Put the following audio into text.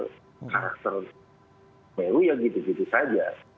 karakter meru ya gitu gitu saja